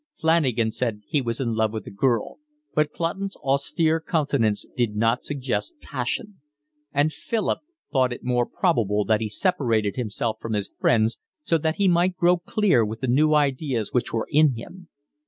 Flanagan said he was in love with a girl, but Clutton's austere countenance did not suggest passion; and Philip thought it more probable that he separated himself from his friends so that he might grow clear with the new ideas which were in him.